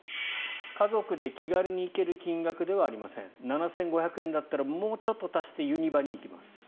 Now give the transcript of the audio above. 家族で気軽に行ける金額ではありません７５００円だったらもうちょっと足してユニバに行きます。